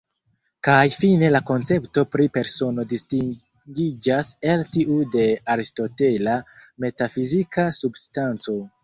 Kaj fine la koncepto pri persono distingiĝas el tiu de aristotela metafizika substanco.